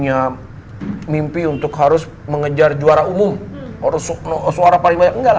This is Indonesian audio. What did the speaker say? jadi bener bener dia menahan image nya dia